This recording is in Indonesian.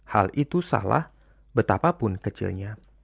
hal itu salah betapapun kecilnya